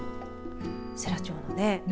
世羅町のね。